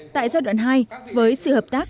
tại giai đoạn hai với sự hợp tác